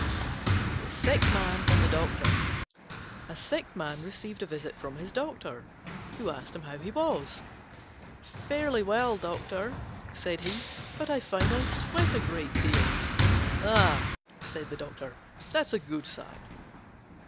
THE SICK MAN AND THE DOCTOR A Sick Man received a visit from his Doctor, who asked him how he was. "Fairly well, Doctor," said he, "but I find I sweat a great deal." "Ah," said the Doctor, "that's a good sign."